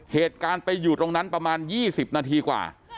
เหตุการณ์ไปอยู่ตรงนั้นประมาณ๒๐นาทีกว่า